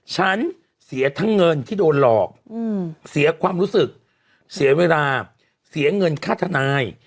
ฉันเสียทั้งเงินที่โดนหลอกเสียความรู้สึกเสียเวลาเสียเงินค่าทนาย